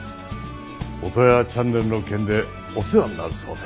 オトワヤチャンネルの件でお世話になるそうで。